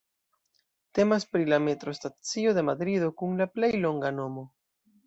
Temas pri la metrostacio de Madrido kun la plej longa nomo.